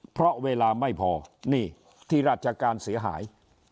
เพราะเวลาไม่พอนี่ที่ราชการเสียหาย